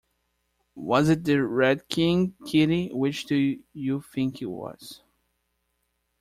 Was it the Red King, Kitty? Which do you think it was?